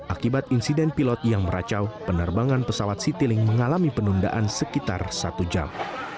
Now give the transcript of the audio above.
akibat insiden pilot yang meracau penerbangan pesawat citylink mengalami penundaan sekitar satu jam